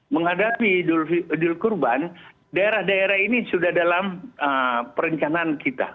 menghadapi idul kurban daerah daerah ini sudah dalam perencanaan kita